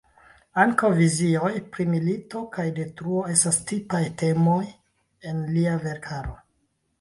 Ankaŭ vizioj pri milito kaj detruo estas tipaj temoj en lia verkaro.